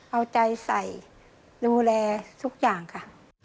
เอาใจใส่ดูแลทุกอย่างค่ะ